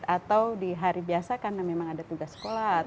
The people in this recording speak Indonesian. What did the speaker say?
atau di hari biasa karena memang ada tugas sekolah